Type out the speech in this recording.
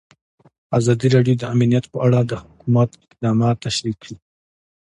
ازادي راډیو د امنیت په اړه د حکومت اقدامات تشریح کړي.